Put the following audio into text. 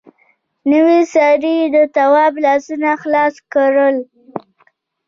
نوي سړي د تواب لاسونه خلاص کړل.